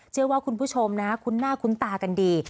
เชื่อว่าคุณผู้ชมนะคุ้นหน้าคุ้นตากันดี